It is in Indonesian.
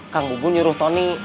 kang bubun nyuruh tony